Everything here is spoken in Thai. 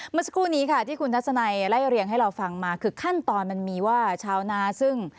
เมื่อสักครู่นี้ค่ะที่คุณทัศนัยไล่เรียงให้เราฟังมาคือขั้นตอนมันมีว่าชาวนาซึ่ง